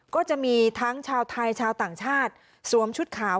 ก็จะมีทั้งชาวไทยชาวต่างชาติสวมชุดขาว